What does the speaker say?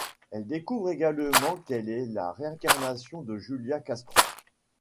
Elle découvre également qu'elle est la réincarnation de Julia Castro.